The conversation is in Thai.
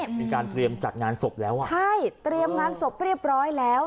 มีการเตรียมจัดงานศพแล้วอ่ะใช่เตรียมงานศพเรียบร้อยแล้ว